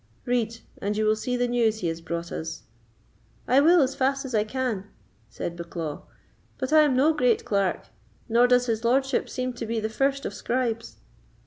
Read, and you will see the news he has brought us." "I will as fast as I can," said Bucklaw; "but I am no great clerk, nor does his lordship seem to be the first of scribes."